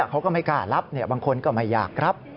เขาก็ไม่กล้ารับบางคนก็ไม่อยากรับ